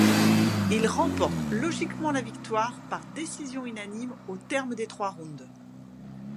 Il remporte logiquement la victoire par décision unanime aux termes des trois rounds.